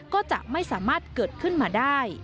ก็จะไม่สามารถเกิดขึ้นมาได้